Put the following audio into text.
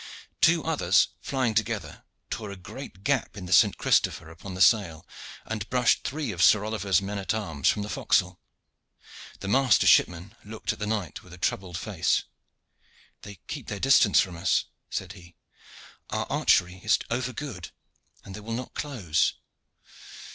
Two others, flying together, tore a great gap in the St. Christopher upon the sail, and brushed three of Sir Oliver's men at arms from the forecastle. The master shipman looked at the knight with a troubled face. "They keep their distance from us," said he. "Our archery is over good, and they will not close.